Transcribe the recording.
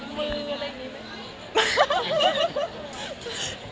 มือบะเร่งใช่ไหม